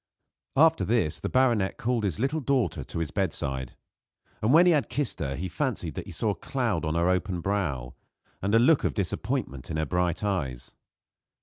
After this the baronet called his little daughter to his bedside; and when he had kissed her he fancied that he saw a cloud on her open brow and a look of disappointment in her bright eyes.